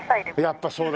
やっぱそうだ。